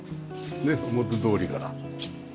ねっ表通りから。